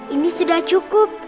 ini sudah cukup